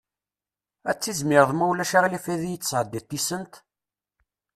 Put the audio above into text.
Ad tizmireḍ ma ulac aɣilif ad iyi-d-tesɛeddiḍ tisent?